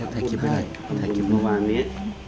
ถ่ายคลิปไปเลยถ่ายคลิปบริมาณนี้